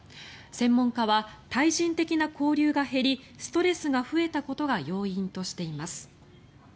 専門家は対人的な交流が減りストレスが増えたことが要因としています。